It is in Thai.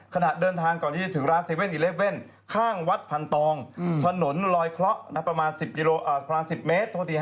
ขณะเดินทางก่อนที่จะถึงร้าน๗๑๑ข้างวัดพันตองถนนลอยเคราะห์ประมาณ๑๐เมตร